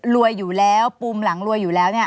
อยู่แล้วปุ่มหลังรวยอยู่แล้วเนี่ย